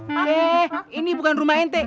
eh ini bukan rumah ente